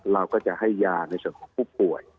เราก็จะให้ยาในส่วนของผู้ป่วย